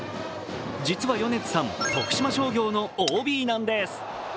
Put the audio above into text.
実は米津さん、徳島商業のＯＢなんです。